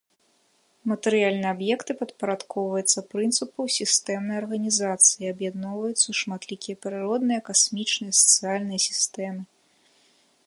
Матэрыяльныя аб'екты падпарадкоўваюцца прынцыпу сістэмнай арганізацыі і аб'ядноўваюцца ў шматлікія прыродныя, касмічныя, сацыяльныя сістэмы.